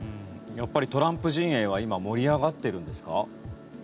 やっぱりトランプ陣営は今、盛り上がってるんですか？